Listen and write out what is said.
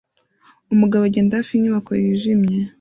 Umugabo agenda hafi yinyubako yijimye